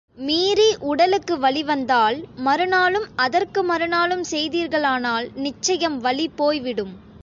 மீறி உடலுக்கு வலி வந்தால், மறுநாளும் அதற்கு மறுநாளும் செய்தீர்களானால் நிச்சயம் வலி போய்விடும்.